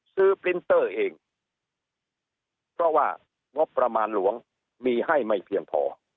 ปรินเตอร์เองเพราะว่างบประมาณหลวงมีให้ไม่เพียงพอ